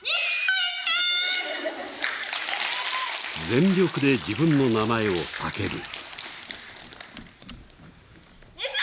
全力で自分の名前を叫ぶ。